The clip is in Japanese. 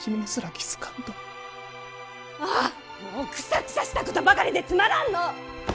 あーもうくさくさしたことばかりでつまらんのぅ。